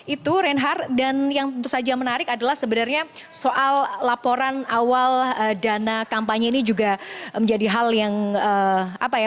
itu reinhardt dan yang tentu saja menarik adalah sebenarnya soal laporan awal dana kampanye ini juga menjadi hal yang apa ya